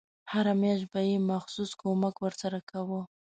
هره میاشت به یې مخصوص کمک ورسره کاوه.